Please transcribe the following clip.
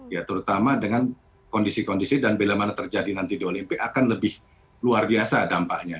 ya terutama dengan kondisi kondisi dan bila mana terjadi nanti di olimpik akan lebih luar biasa dampaknya